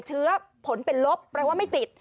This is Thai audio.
เชื้อผลเป็นลบแปลว่าไม่ติด